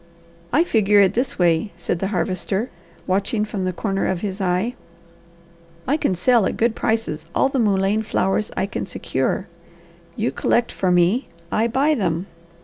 "I figure it this way," said the Harvester, watching from the corner of his eye. "I can sell at good prices all the mullein flowers I can secure. You collect for me, I buy them.